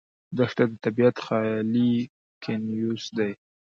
دښته د طبیعت خالي کینوس دی.